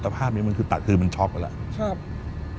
แต่ภาพนี้มันคือคือชอบแล้ว